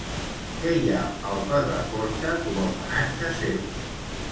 Què hi ha al Pedraforca com a homenatge seu?